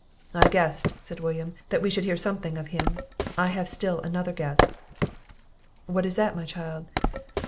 "I guessed," said William, "that we should hear something of him. I have still another guess." "What is that, my child?"